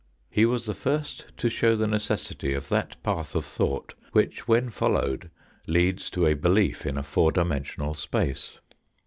He was the first to show the necessity of that path of thought which when followed leads to a belief in a four dimensional space.